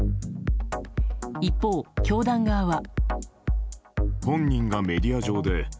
一方、教団側は。